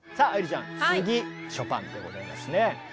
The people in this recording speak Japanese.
ちゃん次ショパンでございますね。